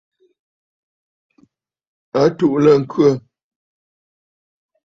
A tuʼulə ŋkhə.